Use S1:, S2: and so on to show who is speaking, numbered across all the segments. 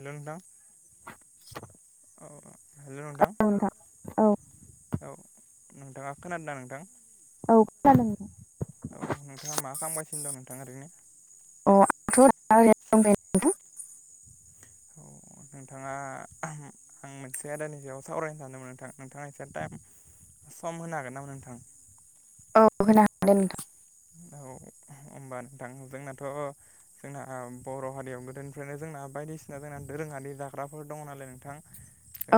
S1: हेल नोंथां औ हेल'नोंथां
S2: औ नोंथां औ
S1: औ नोंथाङा खोनादोंना नोंथां?
S2: औ खोनादों।
S1: औ नोंथाङा मा खालामगासिनो दं नोंथाङा ओरैनो?
S2: अ आंथ' दा ओरैनो दं दे नोंथां
S1: औ नोंथाङा आं मोनसे आयदानिजोायाव सावरायनो सानदोंमोन नोंथां नोंथाङा एसे टाइम सम होनो हागोन नामा नोंथां
S2: औ होनो हागोन
S1: औ होनोमबा नोंथां जोंनाथ' जोंना बर' हारियाव गोदोनिफ्रायनो जोंना बायदिसिना जोंना दोरोङारि जाग्राफोर दङ नालाय नोंथां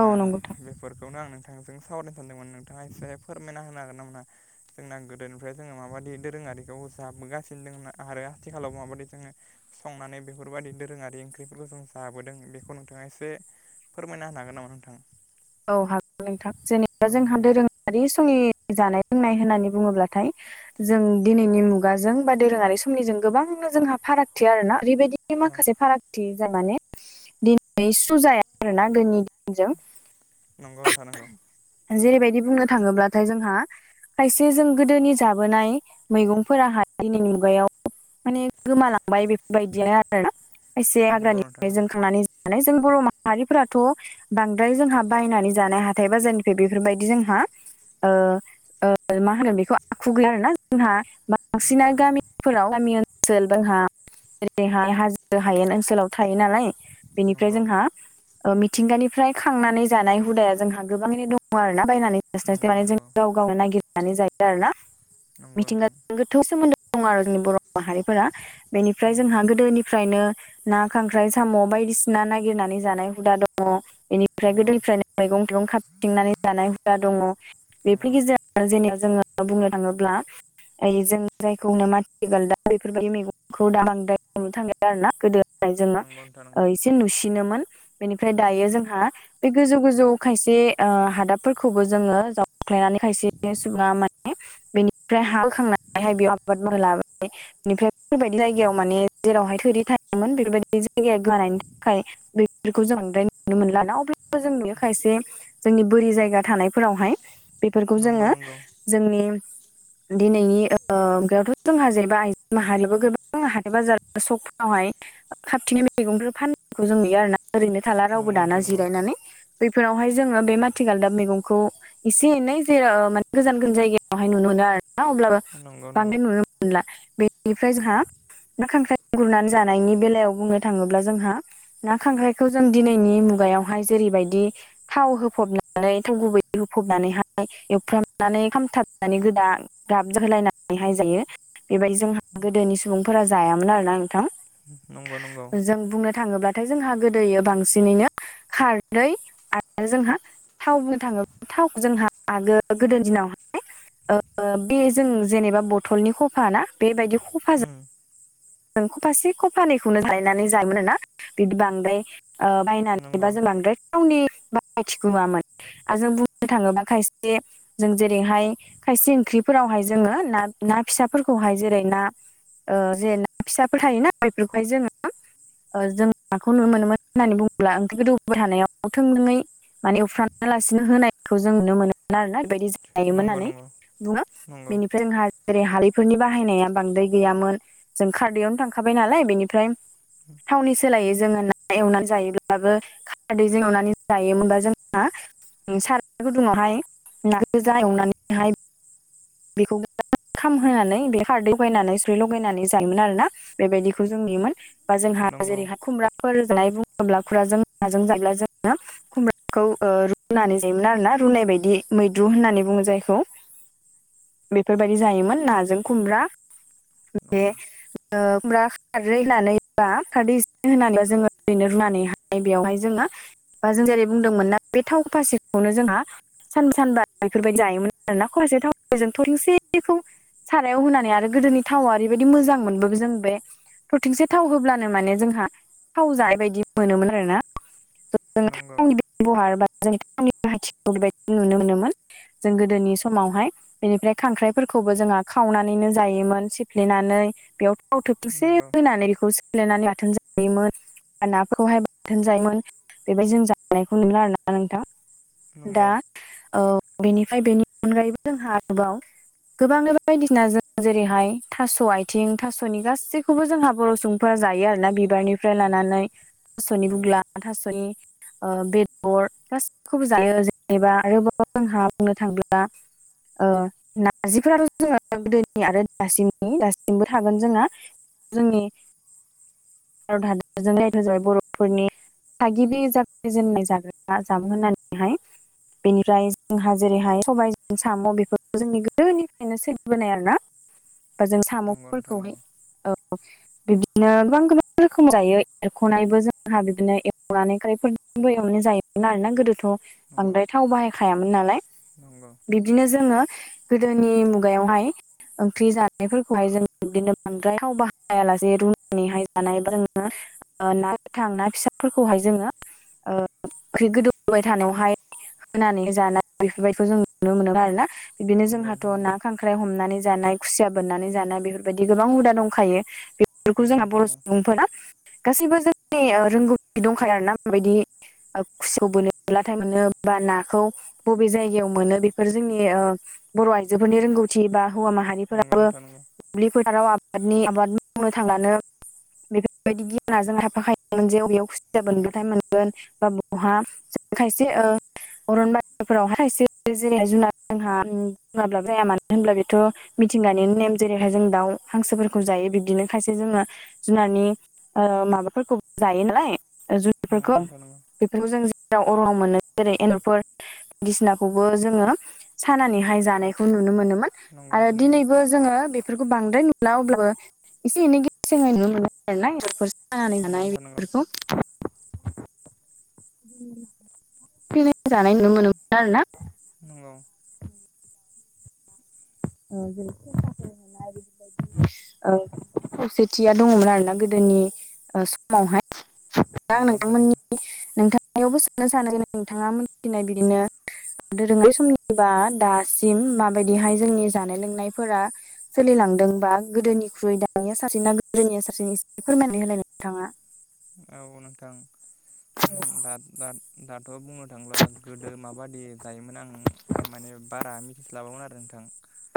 S2: औ होनो हागोन नोंथां औ नंगौ नोंथां
S1: बेफोरखौनो आं नोंथांजों सावरायनो सानदोंमोन नोंथाङा एसे फोरमायना होनो हागोन ना मोना? जोंना गोदोनिफ्राय जोङो माबायदि दोङारिखौ होसाबबोगासिनो दङ आरो आथिखालाव माबायदि जोङो संनानै बेफोरबायदि दोरोङारि ओंख्रिफोरखौ जों जाबोदों बेखौ नोंथाङा एसे फोरमायना होनो हागोन नामा नोंथां?
S2: औ हागौ नोंथां जेनेबा
S1: औ
S2: जोंहा
S1: नंगौ
S2: दोरोङारि समनि जानाय लोंनाय होननानै बुङोब्लाथाय जों दिनैनि मुगाजों बा दोरोङारि समनिजों गोबांनो जोंहा फारागथि आरो ना ओरैबायदि माखासे फारागथि [inaudible]
S1: नंगौ नोंथां नंगौ।
S2: जेरैबायदि बुंनो थाङोब्लाथाय जोंहा खायसे जों गोदोनि जाबोनाय मैगंफोराहाय दिनैनि मुगायाव माने गोमालांबाय बेफोरबायदिया आरो ना
S1: नंगौ नोंथां
S2: खायसे [inaudible] जों बर' माहारिफोराथ' बांद्राय जोंहा बायनानै जानाय हाथाय बाजारनिफ्राय बेफोरबायदि जोंहा ओ ओ मा होनो बेखौ आखु गैया आरोना जोंहा बांसिना
S1: नंगौ नंगौ
S2: गामिफोराव गामि ओनसोल जोंहा ओरैहाय हाजो हायेन ओनसोलाव थायो नालाय
S1: नंगौ
S2: बेनिफ्राय जोंहा ओ मिथिंगानिफ्राय खांनानै जानाय हुदाया जोंहा गोबाङैनो दङ आरोना बायनानै
S1: नंगौ
S2: [inaudible] गावनो नागिरनानै जायो आरोना
S1: नंगौ नोंथां
S2: [inaudible] गोथौ सोमोन्दो दं आरो जोंनि बर' माहारिफोरा बेनिफ्राय
S1: नंगौ
S2: जोंहा गोदोनिफ्रायनो ना खांख्राइ साम' बायदिसिना नागिरनानै जानाय हुदा दङ बेनि
S1: नंगौ।
S2: मैगं थाइगं खाबदिंनानै जाय हुदा दङ बेफोर
S1: नंगौ
S2: गेजेर जेनेबा जोङो बुंनो थाङोब्ला आमफाय जों जायखौ होनो माथि गालदाब बेफोर बायदि मैगंखौ दा बांद्राय नुनो थांलिया आरो ना गोदो जोङो
S1: नंगौ नोंथां
S2: ओ एसे नुसिनोमोन बेनिफ्राय दायो जोंहा बे गोजौ गोजौ खायसे ओ हादाबफोरखौबो जोङो जावख्लायनानै खायसे सुबुङा माने बेनिफ्राय [inaudible] बेफोरबायदि जायगायाव माने जेरावहाय थोरि थायोमोन बेफोरबायदि [inaudible] [inaudible] जोंनि खायसे जोंनि बोरि जायगा थानायफोरावहाय बेफोरखौ
S1: नंगौ नंगौ
S2: जोङो जोंनि दिनैनि ओ [inaudible] हाथाय बाजार सकफ्रावहाय खाबथिंनाय मैगंफोर फान खौ जों नुयो आरोना ओरैनो थाला रावबो दाना
S1: नोंथां नंगौ
S2: जिरायनानै। बेफोरावहाय जोङो बे माथि गालदाब मैगंखौ एसे एनै जे ओ माने गोजान गोजान जायगायावहाय नुनो मोनो आरो ना अब्लाबो
S1: नंगौ नंगौ
S2: बांद्राय नुनो मोनला बेनिफ्राय जोंहा ना खांख्राइ गुरनानै जानायनि बेलायाव बुंनो थाङोब्ला जोंहा ना खांख्रायखौ जों दिनैनि मुगायावहाय जेरैबायदि थाव होफबनानै थाव गुबै होफबनानैहाय एवफ्रामनानै खामथाबनानै [unintelligible] गाब जोहोलायनानैहाय जायो। बेबायदि जोंहा गोदोनि सुबुंफोरा जायामोन आरोना
S1: नंगौ नंगौ
S2: नोंथां। जों बुंनो थाङोब्लाथाय जोंहा गोदोयो बांसिनैनो खार दै आरो जोंहा थाव होनो थां [inaudible] थाव जोंहा आगोलाव गोदोनि दिनावहाय ओ बे जों जेनेबा बथलनि खफा ना बेबायदि खफाजों
S1: उम
S2: खफासे खपानैखौनो गायनानै जायोमोन आरोना। बिदि बांद्राय ओ बायनानैबा
S1: नंगौ
S2: जों बांद्राय थावनि [inaudible] आरो जों बुंनो थाङोबा खायसे जों जेरैहाय खायसे ओंख्रिफोरावहाय जोङो ना ना फिसाफोरखौहाय जेरै ना ओ जेन फिसाफोर थायोना बेफोरखौहाय जोङो ओ जों माखौ नुनो मोनोमोन होननानै बुङोब्ला ओंख्रि गोदौबाय थानायाव थोंजोङै माने उफ्रामालासिनो होनायखौ जों नुनो मोनोमोन आरोना बेबायदि जायोमोन
S1: नंगौ
S2: होननानै
S1: नंगौ
S2: बुङो
S1: नंगौ
S2: बेनिफ्राय जोंहा जेरै हालैफोरनि बाहायनाया बांद्राय गैयामोन। जों खारदैआवनो थांखाबाय नालाय बेनिफ्राय थावनि सोलायै जोङो ना एवनानै जायोब्लाबो खारदैजों एवनानै जायोमोनबा जोंहा साराय गुदुुंआवहाय ना गोजा एवनानैहाय बेखौ [inaudible] खामहोनानै बे खारदै लगायनानै स्रै लगायनानै जायोमोन आरो ना बेबायदिखौ जों नुयोमोन। बा जोंहा
S1: नंगौ
S2: जेरैहाय खुमब्राफोर जानाय बुङोब्ला खुमब्राजों नाजों जायोब्ला जोङो खुमब्राखौ ओ रुनानै जायोमोन आरोना रुनाय बायदि मैद्रु होननानै बुङो जायखौ बेफोरबायदि जायोमोन नाजों खुमब्रा बे
S1: नंगौ
S2: ओ खुमब्रा खारै होनानैबा खारदै एसे होनानै बा जोङो ओरैनो रुनानै हाया बेवहाय जोङो बा जों जेरै बुंदोंमोन ना बे थाव फासेखौनो जोंहा सानब्रै सानबा बेफोरबायदि जायोमोन आरोना फुवासे थाव जों थरथिंसेखौ सारायाव होनानै आरो गोदोनि थावा ओरैबायदि मोजां मोनबो जों बे थरथिंसे थाव होब्लानो माने जोंहा थाव जानाय बायदि मोनोमोन आरो ना [unintelligible]
S1: नंगौ
S2: [unintelligible] नुनो मोनोमोन जों गोदोनि समावहाय बेनिफ्राय खांख्राइफोरखौबो जोंहा खावनानैनो जायोमोन सिफ्लेनानै बेयाव थाव थोबथिंसे
S1: नंगौ
S2: होनानै बेखौ सोफ्लेनानै बाथोन जायोमोन। नाखौहाय बाथोन जायोमोन बेबायदि जों जानायखौ नुला आरोना नोंथां।
S1: नंगौ
S2: दा ओ बेनिफ्राय बेनि अनगायैबो जोंहा आरोबाव गोबांनो बायदिसिना जों जेरैहाय थास' आथिं थास'नि गासैखौबो जोंहा बर' सुबुं फोरा जायो आरोना बिबारनिफ्राय
S1: नंगौ
S2: लानानै थास'नि
S1: नंगौ
S2: बुग्ला थास'नि ओ बेदर गासिखौबो जायो जेनेबा आरोबाव जोंहा बुंनो थाङोब्ला ओ नारजिफोराथ' जोङो गोदोनि आरो दासिमनि दासिमबो थागोन जोंना जोंनि भारत हादरजों दायथ' जाबाय बर'फोरनि थागिबि जागायजेननाय जाग्रा जामुं होननानैहाय बेनिफ्राय जोंहा जेरैहाय सबाइ साम' बेफोरखौ जोंनि गोदोनिफ्रायनो सोलिबोनाय आरो ना‌ बा जों
S1: नोंथां
S2: साम'फोरखौहाय
S1: नंगौ
S2: औ बिदिनो गोबां गोबां रोखोम जायो एरख'नायबो जोंहा बिदिनो एरख'नानै [unintelligible] [unintelligible] जायोमोन आरोना गोदोथ'
S1: नंगौ
S2: बांद्राय थाव बाहायखायामोन नालाय
S1: नंगौ
S2: बिब्दिनो जोङो गोदोनि मुगायावहाय ओंख्रि जानायफोरखौहाय जों बिदिनो बांद्राय थाव बाहायालासे रुनानैहाय जानाय जोङो ओ ना गोथां ना फिसाफोरखौहाय जोङो ओंख्रि गोदौबाय थानायावहाय होनानै जानाय बेफोरबायदिखौ जों नुनो मोनो आरोना बिदिनो
S1: नंगौ
S2: जोंहाथ'
S1: नोंथां
S2: ना खां ख्राइ हमनानै जानाय खुसिया बोननानै जानाय बेफोरबायदि गोबां हुदा दंखायो। बेखौ
S1: नंगौ
S2: जोंहा बर' सुबुंफोरा गासैबो जोंनि रोंगौथि दंखायो आरोना माबायदि खुसिया बोनोब्लाथाय मोनो बा नाखौ बबे जायगायाव मोनो बेफोर जोंनि बर' आइजोफोरनि रोंगौथि बा हौवा
S1: नंगौ
S2: माहारिफोराबो
S1: नोंथां नंगौ
S2: दुब्लि फोथाराव आबादनि आबाद मावनो थांबानो बेफोरबायदि गियाना जोंहा थाफाखायोमोन जे अबेयाव खुसिया बोनबाथाय मोन गोन बा बहा खायसे ओ अरन बारिफोरावहाय खायसे जेरै जुनार जोंहा बुङाब्ला जाया मानो होनब्ला बेथ' मिथिंगानि नेम जेरैहाय जों दाउ हांसोफोरखौ जायो बिब्दिनो खायसे जोङो जुनारनि ओ माबाफोरखौबो जायो नालाय
S1: नंगौ नोंथां नंगौ
S2: जनारफोरखौ
S1: नंगौ नोंथां नंगौ
S2: बेफोरखौ जों जेराव [unintelligible] मोनो जेरै एमबुफोर बायदिसिनाखौबो जोङो सानानैहाय जानायखौ नुनो मोनोमोन।
S1: नंगौ नोंथां नंगौ नोंथां नंगौ
S2: आरो
S1: नंगौ नोंथां
S2: दिनैबो जोङो बेफोरखौ बांद्राय नुला अब्लाबो एसे एनै गेसेङै नुनो मोनो। [unintelligible] [unintelligible] जानाय नुनो मोनोमोन आरो ना [unintelligible]
S1: नंगौ
S2: [inaudible] [unintelligible] बायदि-बायदि खौसेथिया दङमोन आरोना गोदोनि समावहाय दा
S1: नंगौ
S2: नोंथांमोननि नोंथांनिआवबो साननो सानो जे नोंथाङा मिथिनाय बिदिनो दोरोंआरि समनिबा दासिम माबायदिहाय जोंनि जानाय लोंनायफोरा सोलिलांदों बा गोदोनिख्रुइ दानिया साबसे ना गोदोनिया साबसे एसे फोरमायनाय होलाय नोंथाङा।
S1: औ नोंथां ओहोम दा दा दाथ' बुंनो थांब्ला गोदो माबादि जायोमोन आं माने बारा मिथिस्लाबामोन आरो नोंथां।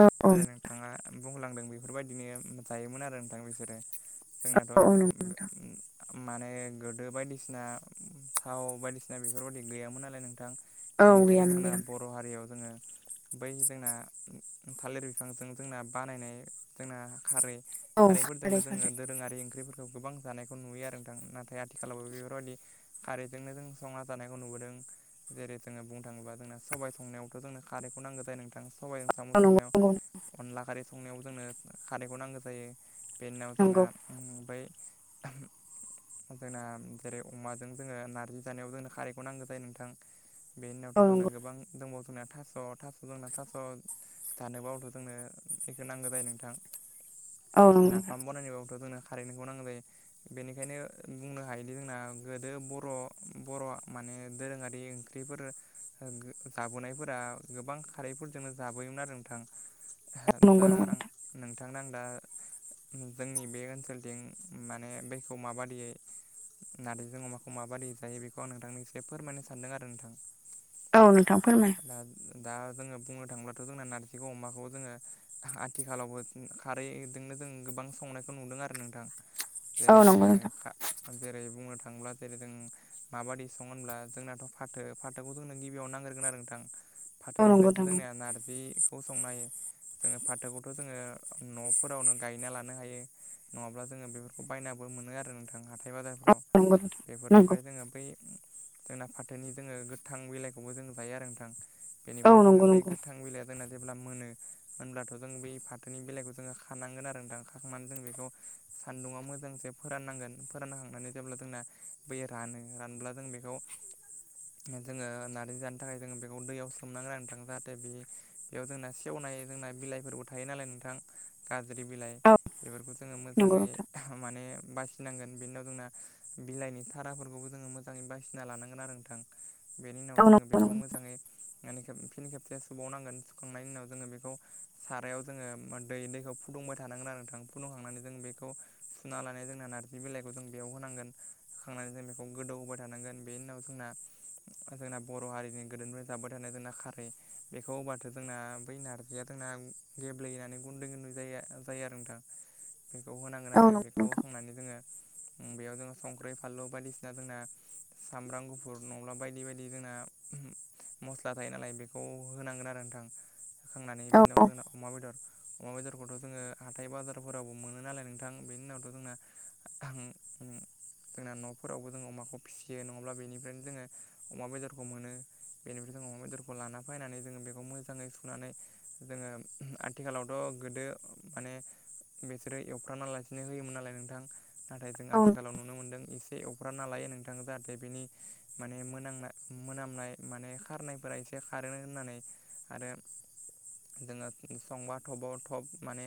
S2: औ औ
S1: जेरै नोंथाङा बुंलांदों बेफोरबायदिनो जायोमोन आरो नोंथां बिसोरो।
S2: औ औ
S1: जोंनाथ'
S2: नंगौ नोंथां
S1: माने गोदो बायदिसिना थाव बायदिसिना बेफोरबायदि गैयामोन नालाय नोंथां
S2: औ
S1: बेनिखायनो
S2: गैयामोन
S1: जोंना
S2: गैयामोन
S1: बर' हारियाव जोङो बै जोंना थालिर बिफांजों जोंना बानायनाय जोंना खारै
S2: औ
S1: खारैफोरजोंनो
S2: खारदै
S1: जोङो
S2: खारदै
S1: दोरोङारि ओंख्रिफोरखौ गोबां जानायखौ नुयो आरो नाथाय आथिखालावबो बेफोरबायदि खारेजोंनो जों संना जानायखौ नुबोदों। जेरै जोङो बुंनो थाङोबा जोंना सबबाय संनायावथ' जोंनो खारैखौ नांगौ जायो नोंथां सबायाइजों साम'
S2: औ नंगौ
S1: संनायाव,
S2: नंगौ
S1: अनला खारै संनायाव जोंनो खारैखौ नांगौ जायो। बेनि उनाव जोंना
S2: नंगौ
S1: उम बै ओहम जोंना जेरै अमाजों जोङो नारजि जानायाव जोंनो खारैखौ नांगौ जायो नोंथां बेनि
S2: औ
S1: उनावथ'
S2: नंगौ
S1: जोंना गोबां दंबाव जोंना थास' थास' जोंना थास' थानोबा अथ' जोंनो बेखौ नांगौ जायो नोंथां।
S2: औ नंगौ
S1: नाफाम बनायनाय बाबोथ' जोंनो खारेन्टखौ नांगौ जायो। बेनिखायनो बुंनो हायोदि जोंना गोदो बर' बर'आ माने दोरोङारि ओंख्रिफोर जाबोनायफोरा गोबां खारैफोरजोंनो जाबोयोमोन आरो नोंथां। ओहो दा
S2: नंगौ नंगौ
S1: आं
S2: नोंथां
S1: नोंथांनो आं दा जोंनि बे ओनसोलथिं माने बै- खौ माबायदियै नार्जिजों अमाखौ माबादि जायो बेखौ आं नोंथांनो फोरमायनो सानदों आरो नोंथां।
S2: औ नोंथां फोरमाय
S1: दा दा जोङो बुंनो थाङोबाथ' जोंना नारजिखौ अमाखौ जोङो आथिखालावबो खारै दोंनो जों गोबां संनायखौ नुदों आरो नोंथां।
S2: औ
S1: जेरै
S2: नंगौ
S1: जोङो
S2: नोंथां
S1: जेरै बुंनो थाङोब्ला जेरै जों माबायदि सङो होनब्ला जोंनाथ' फाथो फा खौ जोंनो गिबियाव नांग्रोगोन आरो नोंथां।
S2: औ नंगौ
S1: फाथोनिफ्रायसो
S2: नोंथां
S1: जोंनिया नारजि खौ संनो हायो। जोङो फाथोखौथ' जोङो न'फोरावनो गायना लानो हायो। नङाब्ला जोङो बेफोरखौ बायनाबो मोनो आरो नोंथां हाथाय बाजारफ्राव
S2: नंगौ नोंथां नंगौ
S1: बेफोरनिफ्राय जोङो बै जोंना फाथोनि जोङो गोथां बिलाइखौबो जों जायो आरो नोंथां
S2: औ
S1: बेनिफ्राय जोङो
S2: नंगौ
S1: बै
S2: नंगौ
S1: गोथां बिलाइ जोंना जेब्ला मोनो मोनब्लाथ' जों बै फाथोनि बिलाइखौ जोङो खानांगोन आरो नोंथां खाखांनानै जों बेखौ सान्दुङा मो जां जे फोराननांगोन फोरानखांनानै जेब्ला जोंना बै रानो रानब्ला जों बेखौ जोङो नारजि जानो थाखाय जोङो बेखौ दैयाव सोमनांगोन आरो नोंथां। जाहाथे बे बेयाव जोंना सेवनाय जोंना बिलाइफोरबो थायो नालाय नोंथां। गाज्रि बिलाइ
S2: औ
S1: बेफोरखौ जोङो
S2: नंगौ
S1: मोजाङै
S2: नोंथां
S1: माने बासिनांगोन। बेनि उनाव जोंना बिलाइनि थाराफोरखौबो जोङो मोजाङै बासिना लानांगोन आरो थां बेनि उनाव
S2: औ
S1: जोङो
S2: नंगौ
S1: बेखौ
S2: नंगौ
S1: मोजाङै माने फिन खेबसे सुबावनांगोन। सुखांनायनि उनाव जोङो बेखौ सारायाव जोङो दै दैखौ फुदुंबाय थानांगोन आरो नोंथां फुदुंखांनानै जों बेखौ सुना लानाय जोंना नारजि बिलाइखौ जों बेयाव होनांगोन होखांनानै जों बेखौ गोदौ होबाय थानांगोन बेनि उनाव जोंना जोंना बर' हारिनि गोदोनिफ्राय जाबाय थानाय जोंना खारै बेखौ हबाथो जोंना बै नार गैयाथोंना गेब्लेहनानै गुन्दै गन्द्रु जाय जायो आरो नोंथां बेखौ ओ
S2: औ नंगौ
S1: बेखौ
S2: नोंथां
S1: होखांनानै जोङो बेयाव जोङो संख्रै फानलु बायदिसिना जोंना सामब्राम गुफुर नङाब्ला बायदि बायदि जोंना मस्ला थायो नालाय बेखौ होनांगोन आरो नोंथां खांनानै
S2: औ
S1: बिनाव
S2: औ
S1: जोंना अमा बेदर अमा बेदरखौथ' जोङो हाथाय बाजारफोरावबो मोनो नालाय नोंथां बेनि उनावथ' जोंना आं ओम जोंना न'फोरावबो जों अमाखौ फिसियो नङाब्ला बेनिफ्रायनो जोङो अमा बेदरखौ मोनो बेनिफ्राय जोङो अमा बेदरखौ लाना फायनानै जोङो बेखौ मोजाङै सुनानै जोङो आथिखालावथ' गोदो माने बिसोरो एवफ्रांना लास सिनो होयोमोन नालाय नोंथां नाथाय जों
S2: औ
S1: आथिखालाव नुनो मोन्दों इसे फ्रांना लायो नोंथां जाहाथे बिनि माने मोनांना मोनामनाय माने खारनायफोरा इसे बे खारो होननानै आरो जोङो संबा थबाव थब माने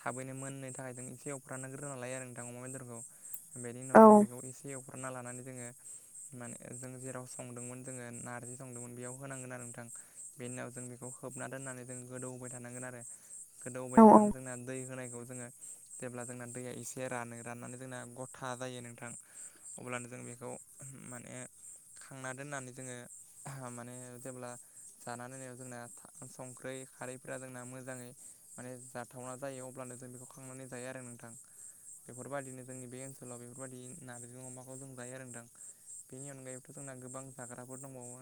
S1: थाबैनो मोननो थाखाय जों इसे रानहोग्रोना लायो आरो नोंथां अमा बेदरखौ बेनि उनाव
S2: औ
S1: जों बेखौ इसे एव ग्रोना लानानै जोङो माने जों जेराव संदोंमोन जोङो नारजि संदोंमोन बेयाव होनांगोन आरो नोंथां बेनि उनाव जों बेखौ होबना दोननानै जों गोदौबाय थानांगोन आरो गोदौबाय थानानै जोंना दै होनायखौ जोङो जेब्ला जोंना दैया इसे रानो राननानै जोंना गथा जायो नोंथां अब्लानो जों बेखौ माने खांना दोननानै जोङो माने जेब्ला जाना नायनायाव जोंना संख्रै खारैफ्रा जोंना मोजाङै माने थावना जायो अब्लानो जों बेखौ खांनानै जायो आरो नोंथां बेफोरबायदिनो जोंनि बे ओनसोलाव बेफोरबायदि नारजि अमाखौ जों जायो आरो नोंथां बिनि अनगायैथ' जोंना गोबां जाग्राफोर दंबावो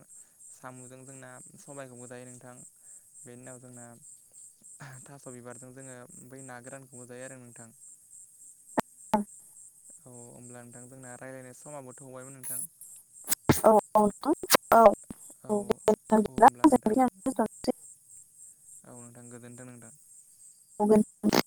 S1: साम'जों जोंना सबायखौबो जायो नोंथां बेनि उनाव जोंना थास' बिबारजों जोङो बै ना गोरानखौबो जायो आरो नोंथां अ होमब्ला नोंथां जोंना रायलायनाय समाबो थौबायमोन नोंथां
S2: औ औ नोथां
S1: औ औ होमब्ला नोंथां औ नोंथां गोजोन्थ नोंथां
S2: [unintelligible]